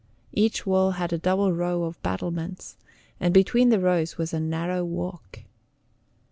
Each wall had a double row of battlements, and between the rows was a narrow walk.